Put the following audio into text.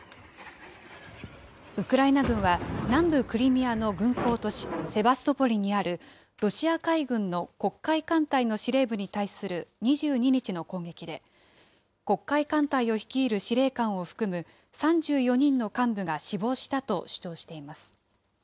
ウクライナ軍は、南部クリミアの軍港都市セバストポリにあるロシア海軍の黒海艦隊の司令部に対する２２日の攻撃で、黒海艦隊を率いる司令官を含む、３４人の幹部が死亡したと主張しています。